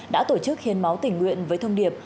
đã tổ chức hiến máu tình nguyện với thông điệp